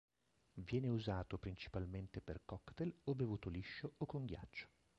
Viene usato principalmente per cocktail o bevuto liscio o con ghiaccio.